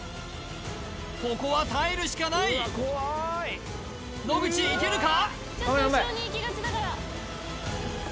ここは耐えるしかない野口いけるか？